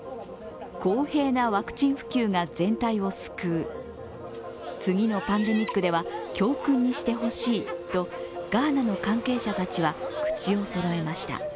公平なワクチン普及が全体を救う、次のパンデミックでは教訓にしてほしいとガーナの関係者たちは口をそろえました。